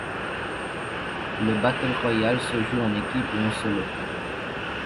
Le battle royale se joue en équipe ou en solo.